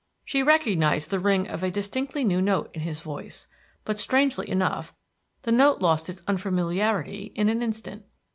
She recognized the ring of a distinctly new note in his voice; but, strangely enough, the note lost its unfamiliarity in an instant.